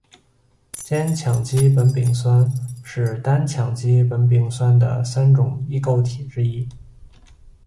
间羟基苯甲酸是单羟基苯甲酸的三种异构体之一。